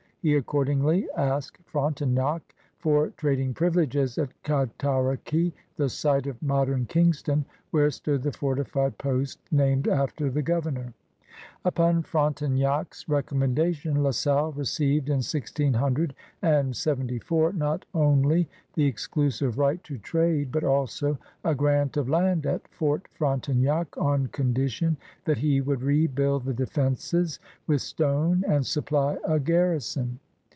He accordingly asked Frontenac for trading privileges at Cataraqui, the site of modem Kingston, whare stood the fortified post named alter the governor. Upon Frontenac's recommendation La Salle received in 1674 not only the exclusive right to trade but also a grant of land at Fort Frontenac on condition that he would rebuild the defenses with stone and supply a garrison.